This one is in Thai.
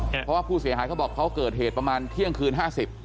เพราะว่าผู้เสียหายเขาบอกเขาเกิดเหตุประมาณเที่ยงคืนห้าสิบ